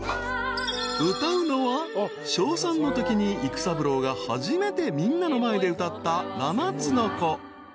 ［歌うのは小３のときに育三郎が初めてみんなの前で歌った『七つの子』］